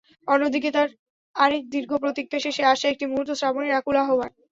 অন্যদিকে তার আরেক দীর্ঘ প্রতীক্ষার শেষে আসা একটি মুহূর্ত—শ্রাবণীর আকুল আহ্বান।